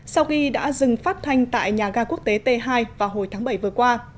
sau khi đã dừng phát thanh tại nhà ga quốc tế t hai vào hồi tháng bảy vừa qua